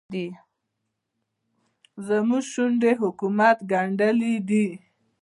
زموږ شونډې حکومت ګنډلې دي.